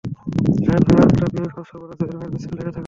শাহেদ ভাইয়ের আরেকটা প্রিয় কাজ সর্বদা জহির ভাইয়ের পিছে লেগে থাকা।